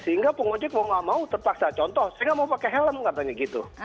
sehingga pengojek mau tidak mau terpaksa contoh sehingga mau pakai helm katanya gitu